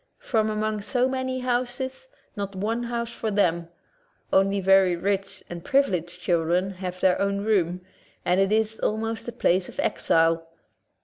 From among so many houses, not one house for them; only very rich and privileged children have their own room, and it is almost a place of exile.